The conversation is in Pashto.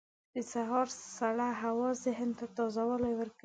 • د سهار سړه هوا ذهن ته تازه والی ورکوي.